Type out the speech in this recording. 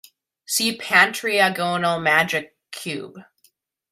See Pantriagonal magic cube.